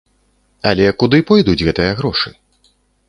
Але куды пойдуць гэтыя грошы?